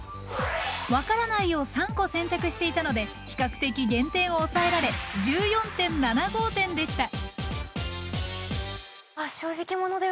「わからない」を３個選択していたので比較的減点を抑えられ１４．７５点でした。